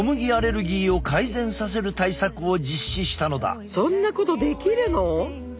実はそんなことできるの？